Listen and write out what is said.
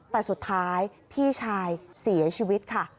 แต่สุดท้ายพี่ชายเสียชีวิตค่ะ